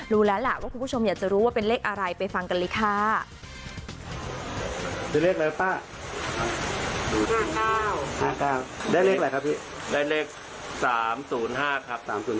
รู้แล้วล่ะว่าคุณผู้ชมอยากจะรู้ว่าเป็นเลขอะไรไปฟังกันเลยค่ะ